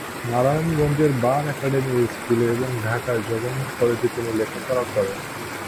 নারায়ণগঞ্জের bar academy স্কুলে এবং ঢাকায় জগন্নাথ কলেজে তিনি লেখাপড়া করেন।